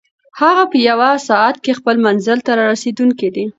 هغه په یوه ساعت کې خپل منزل ته رارسېدونکی دی.